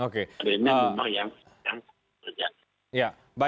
karena memang yang terjadi